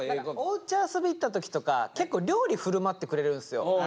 おうち遊び行った時とか結構料理振る舞ってくれるんすよ。